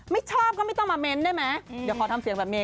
ไม่ชอบก็ไม่ต้องมาเม้นได้ไหม